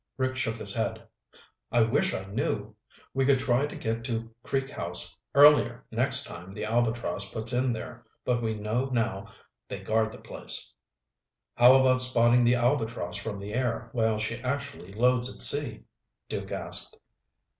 Rick shook his head. "I wish I knew. We could try to get to Creek House earlier next time the Albatross puts in there, but we know now they guard the place." "How about spotting the Albatross from the air while she actually loads at sea?" Duke asked.